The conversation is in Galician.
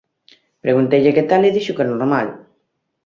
Pregunteille que tal, e dixo que normal...